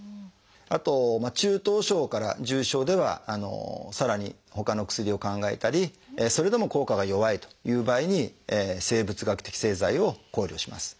あと中等症から重症ではさらにほかの薬を考えたりそれでも効果が弱いという場合に生物学的製剤を考慮します。